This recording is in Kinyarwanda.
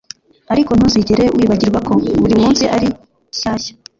ariko ntuzigere wibagirwa ko burimunsi ari shyashya.